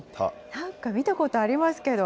なんか見たことありますけど。